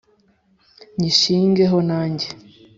nyishinge ho nange”